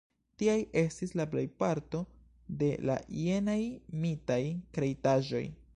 Tiaj estis la plejparto de la jenaj mitaj kreitaĵoj.